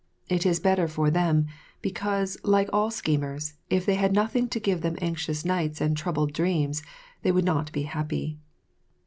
It is better for them, because, like all schemers, if they had nothing to give them anxious nights and troubled dreams, they would not be happy.